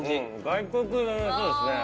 外国のそうですね。